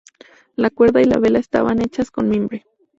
La cuerda y la vela estaban hechas con mimbre.